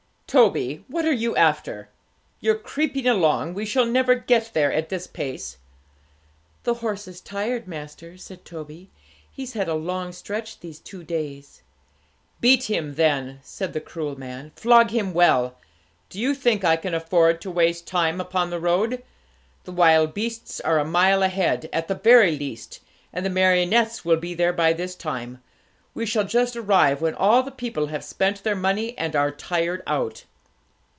'Toby, what are you after? You're creeping along; we shall never get there at this pace.' 'The horse is tired, master,' said Toby; 'he's had a long stretch these two days.' 'Beat him, then,' said the cruel man; 'flog him well. Do you think I can afford to waste time upon the road? The wild beasts are a mile ahead, at the very least, and the marionettes will be there by this time. We shall just arrive when all the people have spent their money, and are tired out.'